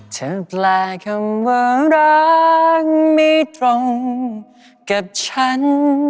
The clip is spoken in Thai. แปลคำว่ารักไม่ตรงกับฉัน